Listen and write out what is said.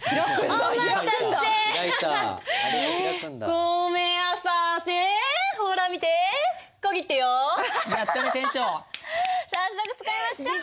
早速使いましょ！